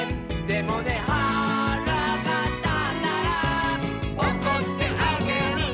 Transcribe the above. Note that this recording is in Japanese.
「でもねはらがたったら」「おこってあげるね」